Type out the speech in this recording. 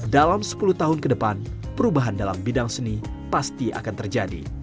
dalam sepuluh tahun ke depan perubahan dalam bidang seni pasti akan terjadi